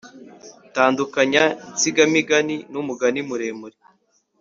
tandukanya insigamugani n’umugani muremure